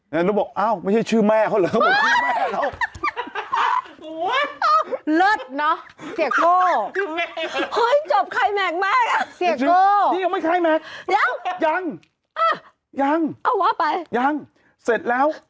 แล้วบอกไอ้ไม่ใช่ชื่อแม่เขาเหรอ